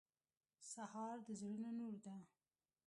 سهار د زړونو نور ده.